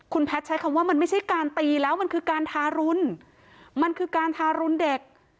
คุณแพทย์ใช้คำว่ามันไม่ใช่การตีแล้วมันคือการทารุณมันคือการทารุณเด็ก